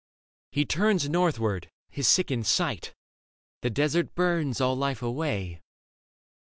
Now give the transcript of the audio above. . He turns Northward his sickened sight. The desert burns 8 Leda All life away.